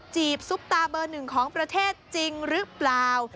จีบซุปตาเบอร์หนึ่งของประเทศจริงหรือเปล่า